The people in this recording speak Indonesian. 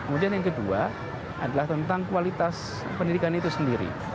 kemudian yang kedua adalah tentang kualitas pendidikan itu sendiri